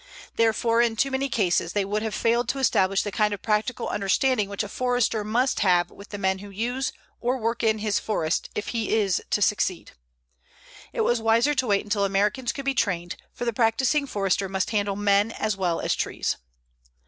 Therefore, in too many cases, they would have failed to establish the kind of practical understanding which a Forester must have with the men who use, or work in, his forest, if he is to succeed. It was wiser to wait until Americans could be trained, for the practising Forester must handle men as well as trees.